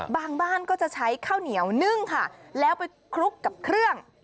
บ้านก็จะใช้ข้าวเหนียวนึ่งค่ะแล้วไปคลุกกับเครื่อง